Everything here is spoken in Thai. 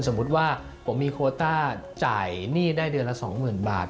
สมมุติว่าผมมีโคต้าจ่ายหนี้ได้เดือนละ๒๐๐๐บาท